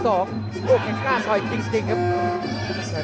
โอ้แค่กล้าสอยจริงครับ